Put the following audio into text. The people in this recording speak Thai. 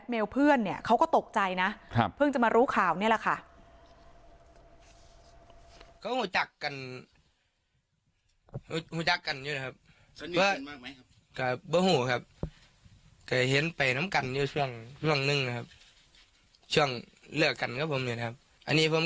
อดีตแฟนเราหรอครับผม